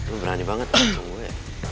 lu berani banget datang ke gue